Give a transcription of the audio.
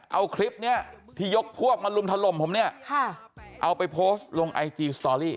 เอาคลิปนี้ที่ยกพวกมาลุมถล่มผมเนี่ยเอาไปโพสต์ลงไอจีสตอรี่